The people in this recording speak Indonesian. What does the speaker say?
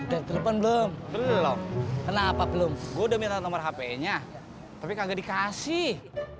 hypothelon belum belum kenapa belum udah jede noh hp nya tapi kagak dikasih